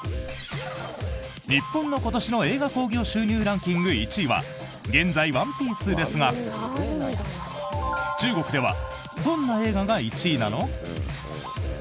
日本の今年の映画興行収入ランキング１位は現在「ＯＮＥＰＩＥＣＥ」ですが中国ではどんな映画が１位なの？